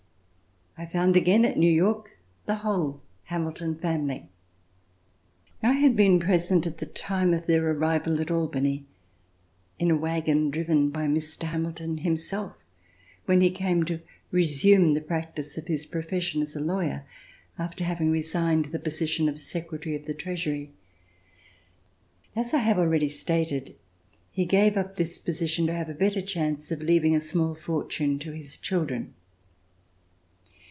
I found again at New York the whole Hamilton family. I had been present at the time of their arrival at Al bany in a wagon driven by Mr. Hamilton himself, when he came to resume the practice of his profession as a lawyer, after having resigned the position of Secretary of the Treasury. As I have already stated, he gave up this position, to have a better chance of leaving a small fortune to his children.